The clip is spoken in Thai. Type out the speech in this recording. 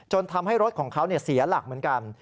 ทำให้รถของเขาเสียหลักเหมือนกัน